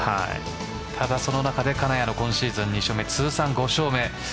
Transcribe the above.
ただその中で金谷の今シーズン２勝目、通算５勝目。